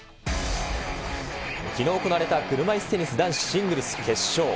きのう行われた車いすテニス男子シングルス決勝。